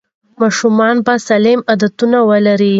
ماشومان به سالم عادتونه ولري.